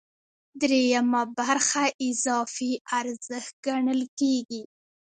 درېیمه برخه اضافي ارزښت ګڼل کېږي